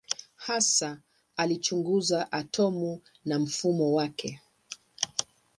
Hasa alichunguza atomu na mfumo wake.